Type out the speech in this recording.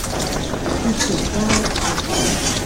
捷船街